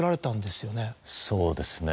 そうですね。